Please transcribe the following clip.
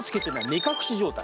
目隠し状態。